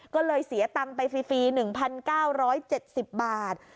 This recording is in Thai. ก็เลยเสียตังค์ไปฟรี๑๙๗๐บาท